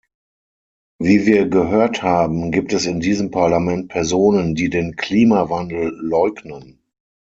Wie wir gehört haben, gibt es in diesem Parlament Personen, die den Klimawandel leugnen.